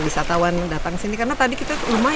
wisatawan datang sini karena tadi kita rumah